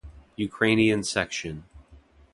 Ukrainian section.